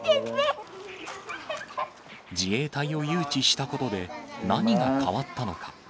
自衛隊を誘致したことで、何が変わったのか。